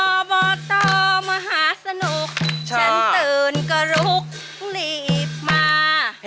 ออบอตอร์มหาสนุกฉันตื่นกระลุกหลีบมา